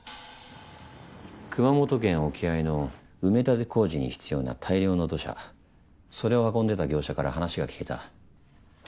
熊本県沖合の埋め立て工事に必要な大量の土砂それを運んでた業者から話が聞けた。